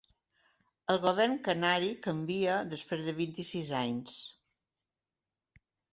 El govern canari canvia després de vint-i-sis anys